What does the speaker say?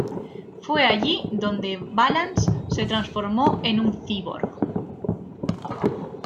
Fue allí donde Valance se transformó en un cyborg.